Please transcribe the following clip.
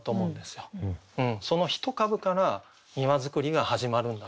その一株から庭造りが始まるんだと。